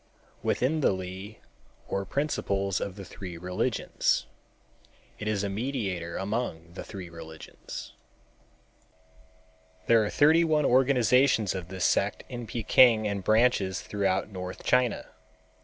within the Li or principles of the three religions. It is a mediator among the three religions. There are thirty one organizations of this sect in Peking and branches throughout North China.